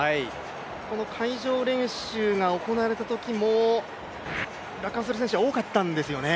会場練習が行われたときも落下する選手は多かったんですよね。